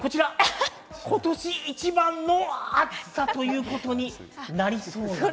今年一番の暑さということになりそうなんです。